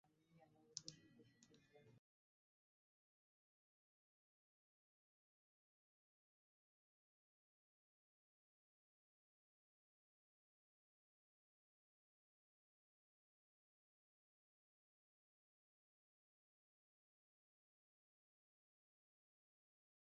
ভাবের নেশার অবসাদে আমি একেবারে জর্জরিত।